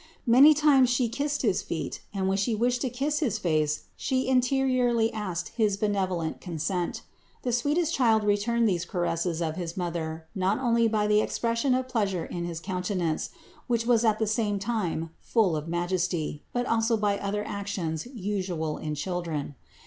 Many times She kissed his feet, and when She wished to kiss his face She interiorly asked his benevolent consent. The sweetest Child returned these caresses of his Mother not only by the expression of pleasure in his countenance, which was at the same time full of majesty, but also by other actions usual in children.